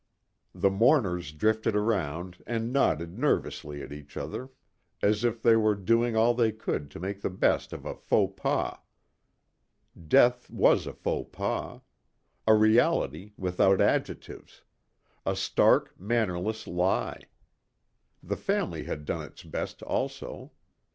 The mourners drifted around and nodded nervously at each other as if they were doing all they could to make the best of a faux pas. Death was a faux pas. A reality without adjectives. A stark, mannerless lie. The family had done its best also.